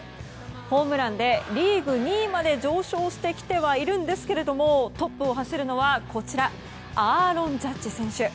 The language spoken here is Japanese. ホームランでリーグ２位まで上昇してきてはいるんですがトップを走るのはアーロン・ジャッジ選手。